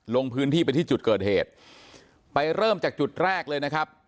ลงพื้นที่ไปที่จุดเกิดเหตุไปเริ่มจากจุดแรกเลยนะครับ